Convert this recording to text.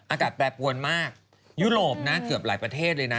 อากาศแปรปวนมากยุโรปนะเกือบหลายประเทศเลยนะ